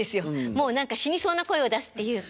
もう何か死にそうな声を出すっていうか。